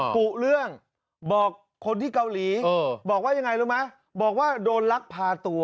กุเรื่องบอกคนที่เกาหลีบอกว่ายังไงรู้ไหมบอกว่าโดนลักพาตัว